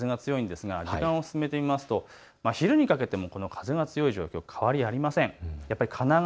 朝６時の時点で風が強いんですが時間を進めてみますと昼にかけても風が強い状況、変わりありません。